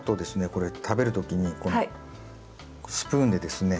これ食べる時にこのスプーンでですね